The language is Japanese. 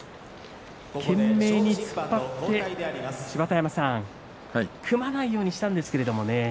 懸命に突っ張っていきましたが芝田山さん組まないようにしたんですけれどね。